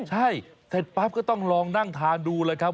ใช่เสร็จปั๊บก็ต้องลองนั่งทานดูเลยครับ